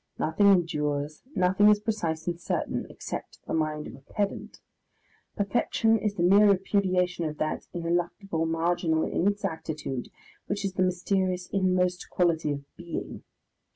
Nothing endures, nothing is precise and certain (except the mind of a pedant), perfection is the mere repudiation of that ineluctable marginal inexactitude which is the mysterious inmost quality of Being.